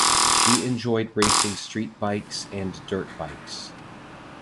She enjoyed racing street bikes and dirt bikes.